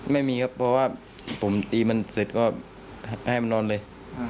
ไม่มีครับเพราะว่าผมตีมันเสร็จก็ให้มันนอนเลย